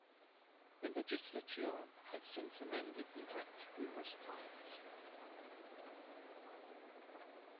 The legislature has since amended the "Act" numerous times.